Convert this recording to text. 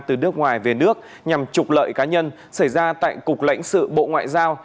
từ nước ngoài về nước nhằm trục lợi cá nhân xảy ra tại cục lãnh sự bộ ngoại giao